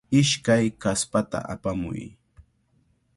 Ishkay kaspata apamuy.